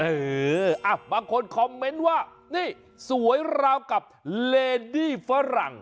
เอออ่ะบางคนคอมเมนต์ว่านี่สวยราวกับเลดี้ฝรั่ง